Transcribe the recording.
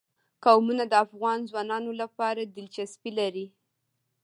قومونه د افغان ځوانانو لپاره دلچسپي لري.